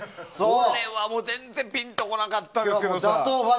これは全然ピンと来なかったんですが。